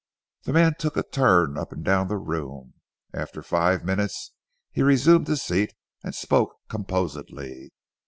The man took a turn up and down the room. After five minutes he resumed his seat and spoke composedly.